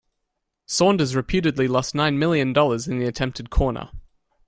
Saunders reputedly lost nine million dollars in the attempted corner.